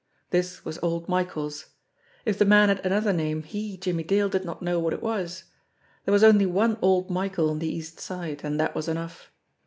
This was old Michael's. If the man had another name, he, Jimmie Dale, did not know what it was. There was only one old Michael on the East Side, and that was enough.